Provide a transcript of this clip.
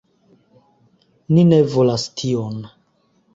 Ni ne volas tion.